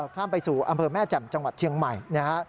ข้ามไปสู่อำเภอแม่แจ่มจังหวัดเชียงใหม่นะครับ